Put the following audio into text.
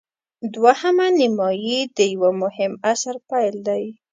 دوهمه نیمايي د یوه مهم عصر پیل دی.